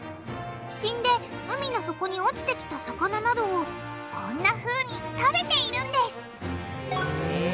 死んで海の底に落ちてきた魚などをこんなふうに食べているんですへぇ。